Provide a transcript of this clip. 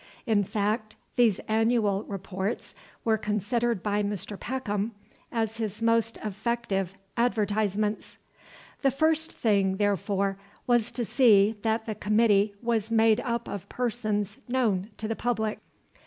In fact, these Annual Reports were considered by Mr. Peckham as his most effective advertisements. The first thing, therefore, was to see that the Committee was made up of persons known to the public.